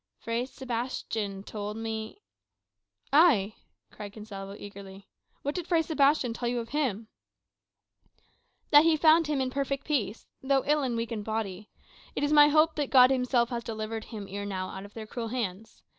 Fray Sebastian told me " "Ay," cried Gonsalvo eagerly, "what did Fray Sebastian tell you of him?" "That he found him in perfect peace, though ill and weak in body. It is my hope that God himself has delivered him ere now out of their cruel hands.